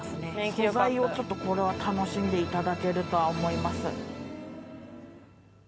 素材をちょっとこれは楽しんでいただけるとは思います。